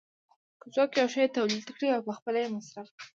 که څوک یو شی تولید کړي او پخپله یې مصرف کړي